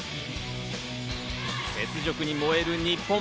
雪辱に燃える日本。